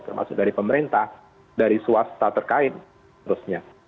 termasuk dari pemerintah dari swasta terkait terusnya